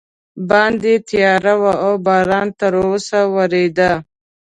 باندې تیاره وه او باران تراوسه ورېده.